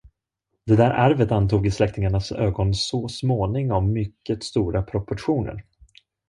Det där arvet antog i släktingarnas ögon så småningom mycket stora proportioner.